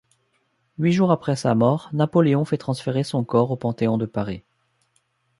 Huit jours après sa mort, Napoléon fait transférer son corps au Panthéon de Paris.